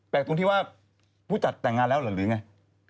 ตรงที่ว่าผู้จัดแต่งงานแล้วหรือไง